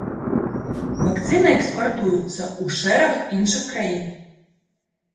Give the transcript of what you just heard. Вакцына экспартуюцца ў шэраг іншых краін.